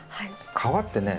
皮ってね